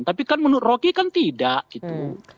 tapi kan menurut rocky kan tidak gitu